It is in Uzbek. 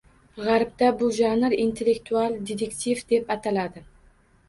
Gʻarbda bu janr “intellektual detektiv” deb ataladi.